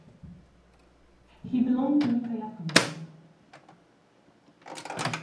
He belonged to Lingayat community.